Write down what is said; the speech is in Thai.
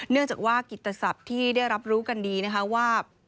เนื่องจากว่ากิตศัพท์ที่ได้รับรู้กันดีนะคะว่า